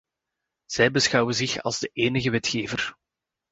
Zij beschouwen zich als de enige wetgever.